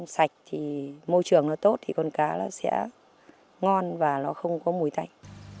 sạch thì môi trường nó tốt thì con cá nó sẽ ngon và nó không có mùi tay